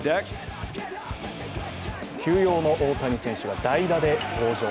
休養の大谷選手が代打で登場。